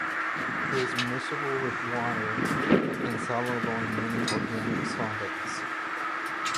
It is miscible with water and soluble in many organic solvents.